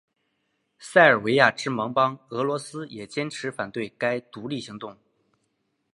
塞尔维亚之盟邦俄罗斯也坚持反对该独立行动。